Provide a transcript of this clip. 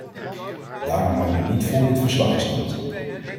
Daarom hebben we niet voor dit verslag gestemd.